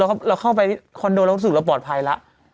เราเข้าไปคอนโดเรารู้สึกเราปลอดภัยแล้ว